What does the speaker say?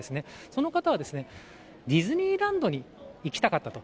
その方はディズニーランドに行きたかったと。